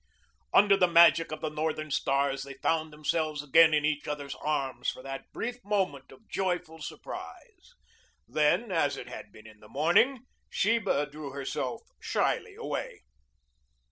Under the magic of the Northern stars they found themselves again in each other's arms for that brief moment of joyful surprise. Then, as it had been in the morning, Sheba drew herself shyly away.